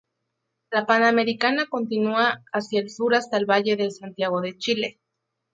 La Panamericana continúa hacia el sur hasta el valle de Santiago de Chile.